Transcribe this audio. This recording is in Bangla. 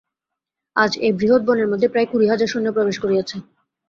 আজ এই বৃহৎ বনের মধ্যে প্রায় কুড়ি হাজার সৈন্য প্রবেশ করিয়াছে।